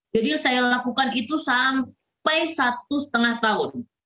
jadi saya lakukan itu sampai satu setengah tahun